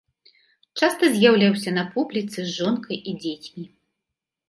Часта з'яўляўся на публіцы з жонкай і дзецьмі.